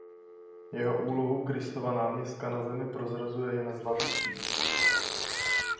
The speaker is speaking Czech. Jeho úlohu Kristova náměstka na Zemi prozrazuje jen zlatý klíč.